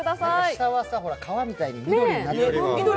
下は皮みたいに緑になってる。